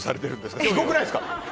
すごくないですか？